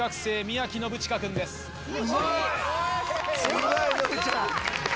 ・すごいのぶちゃん。